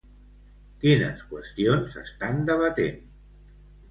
Quines qüestions estan debatent?